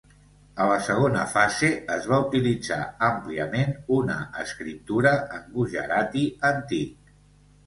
A la segona fase, es va utilitzar àmpliament una escriptura en gujarati antic.